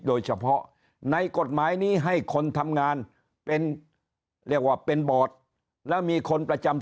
โดยเฉพาะในกฎหมายนี้ให้คนทำงานเป็นเรียกว่าเป็นบอร์ดแล้วมีคนประจำ